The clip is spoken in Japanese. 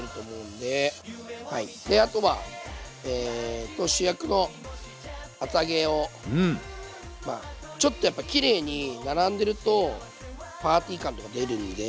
であとは主役の厚揚げをまあちょっとやっぱきれいに並んでるとパーティー感とか出るんで。